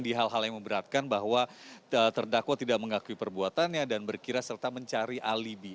di hal hal yang memberatkan bahwa terdakwa tidak mengakui perbuatannya dan berkira serta mencari alibi